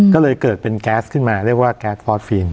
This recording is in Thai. ก็เลยเกิดเป็นแก๊สขึ้นมาเรียกว่าแก๊สฟอสฟิล์ม